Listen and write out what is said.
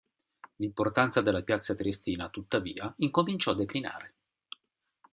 L'importanza della piazza triestina, tuttavia, incominciò a declinare.